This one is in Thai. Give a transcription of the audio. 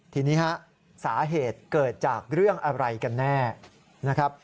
ทีนี้ฮะสาเหตุเกิดจากเรื่องอะไรกันแน่นะครับ